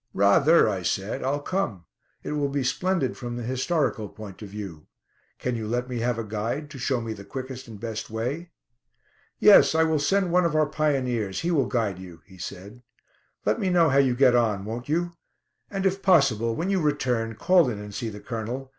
"Rather," I said; "I'll come. It will be splendid from the historical point of view. Can you let me have a guide, to show me the quickest and best way?" "Yes, I will send one of our pioneers; he will guide you," he said. "Let me know how you get on, won't you? And, if possible, when you return call in and see the Colonel.